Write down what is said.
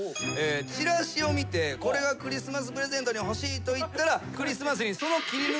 チラシを見てこれがクリスマスプレゼントに欲しいと言ったらクリスマスにその。